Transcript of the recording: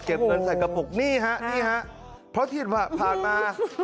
เก็บเงินใส่กระปุกนี่ฮะเพราะที่ผ่านมา